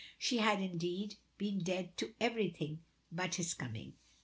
She had, indeed, been dead to everything but his coming.